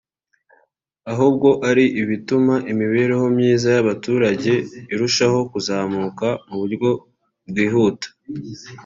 ahubwo ari ubutuma imibereho myiza y’abaturage irushaho kuzamuka mu buryo bwihuta